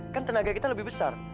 kan tenaga kita lebih besar